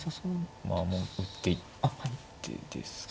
まあもう打っていってですかね。